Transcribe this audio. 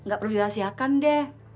gak perlu dirahsiakan deh